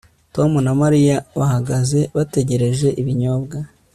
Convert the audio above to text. Tom na Mariya bahagaze bategereje ibinyobwa